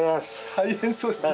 大変そうですね。